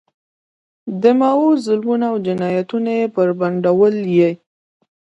د ماوو ظلمونه او جنایتونه بربنډول یې.